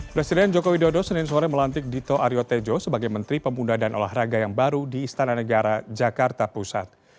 presiden joko widodo senin sore melantik dito aryo tejo sebagai menteri pemuda dan olahraga yang baru di istana negara jakarta pusat